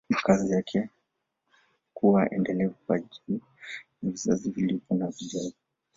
Makazi yake kuwa endelevu kwa ajili ya vizazi vilivyopo na vijavyo